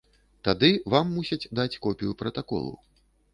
Тады вам мусяць даць копію пратаколу.